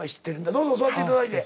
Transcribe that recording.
どうぞ座っていただいて。